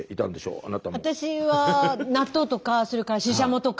私は納豆とかそれからししゃもとか。